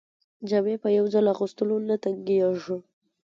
جامې په یو ځل اغوستلو نه تنګیږي.